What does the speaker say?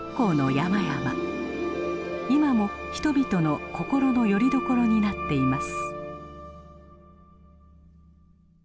今も人々の心のよりどころになっています。